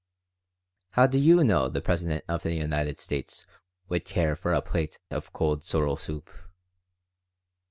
"How do you know the President of the United States would care for a plate of cold sorrel soup?"